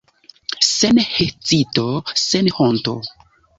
Sen hezito, sen honto!